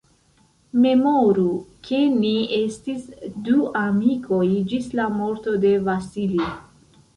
Memoru, ke ni estis du amikoj ĝis la morto de Vasili.